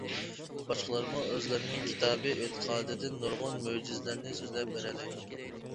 باشقىلارمۇ ئۆزلىرىنىڭ كىتابى، ئېتىقادىدىن نۇرغۇن مۆجىزىلەرنى سۆزلەپ بېرەلەيدۇ.